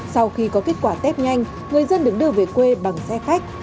sau khi có kết quả tét nhanh người dân được đưa về quê bằng xe khách